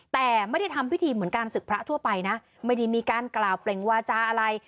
แต่ไม่ได้ทำพิธีเหมือนการศึกพระทั่วไปนะไม่ได้มีการกล่าวเปล่งวาจาอะไร